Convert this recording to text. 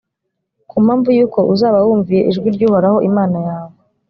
ku mpamvu y’uko uzaba utumviye ijwi ry’uhoraho imana yawe.